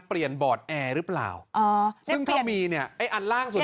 เปลี่ยนบอร์ดแอร์หรือเปล่าเออซึ่งเขามีเนี้ยไอ้อันล่างสุดเนี้ย